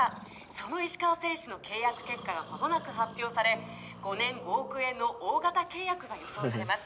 「その石川選手の契約結果がまもなく発表され５年５億円の大型契約が予想されます」